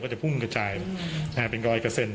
ก็จะพุ่งกระจายอืมอ่าเป็นกรอยกระเส่น